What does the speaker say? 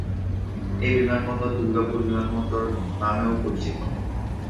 এই বিমানবন্দর দুর্গাপুর বিমানবন্দর নামেও পরিচিত।